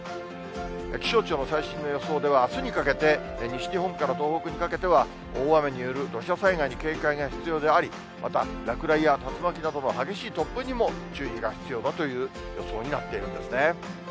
気象庁の最新の予想では、あすにかけて、西日本から東北にかけては大雨による土砂災害に警戒が必要であり、また落雷や竜巻などの激しい突風にも注意が必要だという予想になっているんですね。